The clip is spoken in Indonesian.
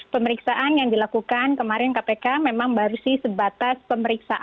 pemeriksaan yang dilakukan kemarin kpk memang baru sih sebatas pemeriksaan